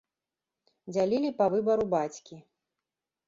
Дзялілі па выбару бацькі.